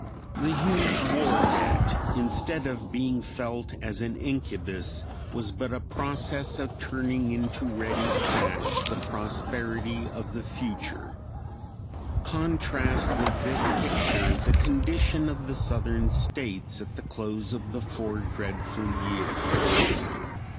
The huge war debt instead of being felt as an incubus was but a process of turning into ready cash the prosperity of the future. Contrast with this picture the condition of the Southern States at the close of the four dreadful years.